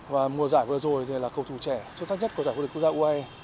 và mùa giải vừa rồi thì là cầu thủ trẻ xuất sắc nhất của giải quân đội quốc gia uae